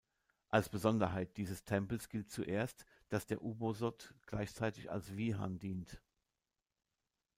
Als Besonderheit dieses Tempels gilt zuerst, dass der Ubosot gleichzeitig als Viharn dient.